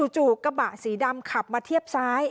จู่กระบะสีดำขับมาเทียบซ้าย